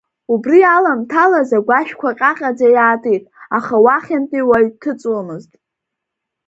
Убри аламҭалаз агәашәқәа ҟьаҟьаӡа иаатит, аха уахьынтәи уаҩ дҭыҵуамызт.